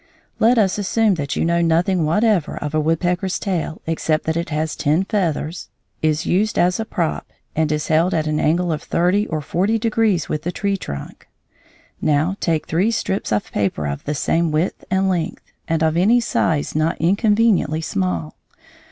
Let us assume that you know nothing whatever of a woodpecker's tail except that it has ten feathers, is used as a prop, and is held at an angle of thirty or forty degrees with the tree trunk. Now, take three strips of paper of the same width and length, and of any size not inconveniently small.